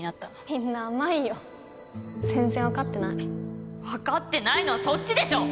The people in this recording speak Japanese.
みんな甘いよ。全然分かってない分かってないのはそっちでしょ！